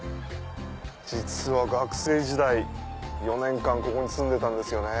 実は学生時代４年間ここに住んでたんですよね。